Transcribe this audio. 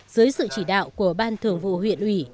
dưới sự chỉ đạo của ban thường vụ huyện ủy